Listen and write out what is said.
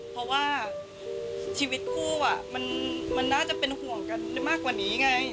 เพราะว่าชีวิตคู่มันน่าจะเป็นห่วงกันมากกว่านี้ไง